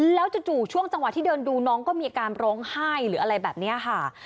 แล้วจู่ช่วงจังหวะที่เดินดูน้องก็มีอาการร้องไห้หรืออะไรแบบนี้ค่ะ